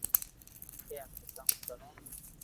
ڪي امي ڪاو ڪرو